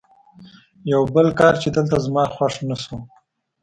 یو بل کار چې دلته زما خوښ نه شو.